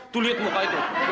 tuh lihat muka itu